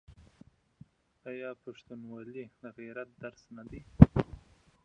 آیا پښتونولي د غیرت درس نه دی؟